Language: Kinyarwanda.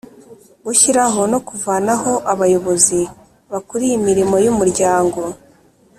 Gushyiraho no kuvanaho abayobozi bakuriye imirimo y Umuryango